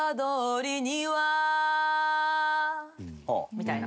みたいな。